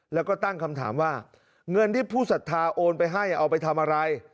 แล้วก็ตั้งคำถามว่าเงินที่ผู้ศรัทธาโอนไปให้เอาไปทำอะไร